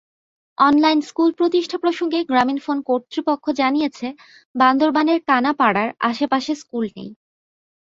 Online school প্রতিষ্ঠা প্রসঙ্গে গ্রামীণফোন কর্তৃপক্ষ জানিয়েছে, বান্দরবানের কানাপাড়ার আশপাশে স্কুল নেই।